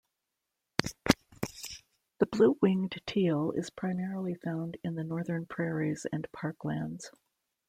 The blue-winged teal is primarily found in the northern prairies and parklands.